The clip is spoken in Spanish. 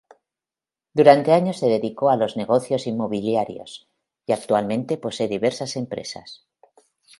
Durante años se dedicó a los negocios inmobiliarios y actualmente posee diversas empresas.